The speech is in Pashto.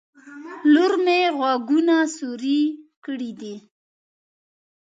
لور مې غوږونه سوروي کړي دي